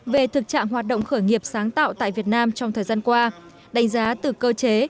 về thực trạng hoạt động khởi nghiệp sáng tạo tại việt nam trong thời gian qua đánh giá từ cơ chế